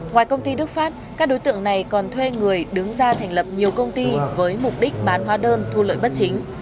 ngoài công ty đức phát các đối tượng này còn thuê người đứng ra thành lập nhiều công ty với mục đích bán hóa đơn thu lợi bất chính